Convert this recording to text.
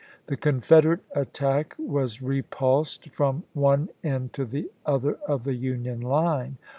The Confederate attack was repulsed from one end to the other of the Union line.